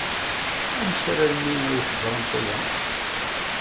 Amek armi ay teẓram aya?